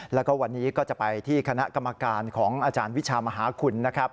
แล้วก็วันนี้ก็จะไปที่คณะกรรมการของอาจารย์วิชามหาคุณนะครับ